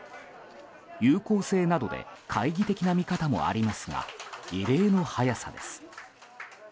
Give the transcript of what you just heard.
有効性などで懐疑的な見方もありますが異例の早さです。